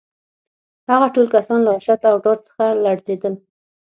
هغه ټول کسان له وحشت او ډار څخه لړزېدل